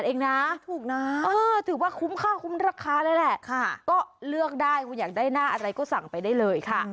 เองนะถูกนะถือว่าคุ้มค่าคุ้มราคาเลยแหละก็เลือกได้คุณอยากได้หน้าอะไรก็สั่งไปได้เลยค่ะ